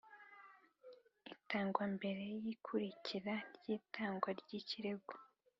itangwambere yikurikira ryitangwa ry ikirego